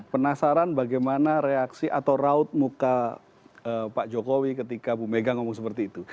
penasaran bagaimana reaksi atau raut muka pak jokowi ketika bu mega ngomong seperti itu